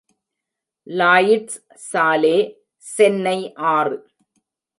Lloyds சாலே சென்னை ஆறு.